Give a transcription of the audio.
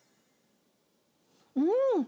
うん。